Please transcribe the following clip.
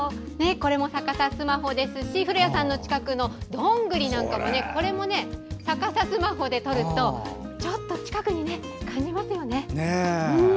これも逆さスマホですし古谷さんの近くのどんぐりなんかも逆さスマホで撮るとちょっと近くに感じますよね。